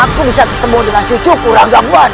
agar aku bisa ketemu dengan cucu rangga buana